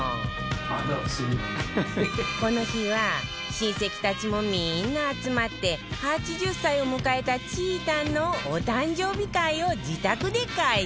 この日は親戚たちもみんな集まって８０歳を迎えたちーたんのお誕生日会を自宅で開催